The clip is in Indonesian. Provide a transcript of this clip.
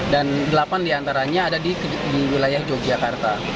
dan delapan di antaranya ada di wilayah yogyakarta